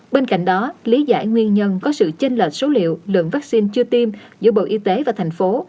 bên cạnh đó lý giải nguyên nhân có sự chênh lệch số liệu lượng vaccine chưa tiêm giữa bộ y tế và thành phố